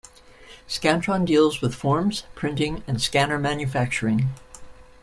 Scantron deals with forms printing and scanner manufacturing.